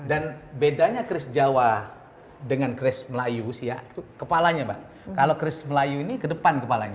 dan bedanya chris jawa dengan chris melayu siap kepalanya banget kalau chris melayu ini ke depan